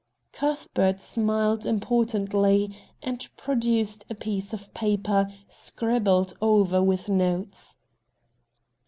Cuthbert smiled importantly, and produced a piece of paper scribbled over with notes.